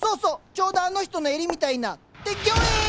ちょうどあの人の襟みたいな。ってギョエーッ！